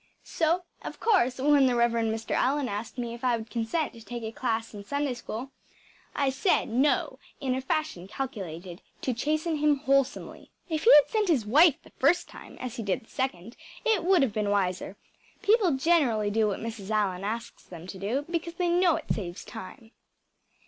So, of course, when the Rev. Allan asked me if I would consent to take a class in Sunday School, I said no in a fashion calculated to chasten him wholesomely. If he had sent his wife the first time, as he did the second, it would have been wiser. People generally do what Mrs. Allan asks them to do because they know it saves time.